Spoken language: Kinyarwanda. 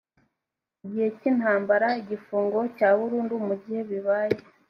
igihe cy’intambara igifungo cya burundu mu gihe bibaye